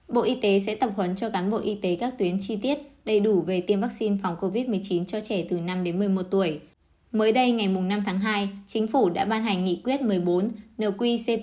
bộ y tế sẽ tập huấn cho cán bộ y tế các tuyến chi tiết đầy đủ về tiêm vaccine phòng covid một mươi chín cho trẻ từ năm đến một mươi một tuổi